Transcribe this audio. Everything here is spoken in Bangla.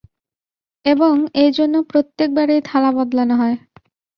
এবং এজন্য প্রত্যেক বারেই থালা বদলান হয়।